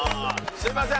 すみません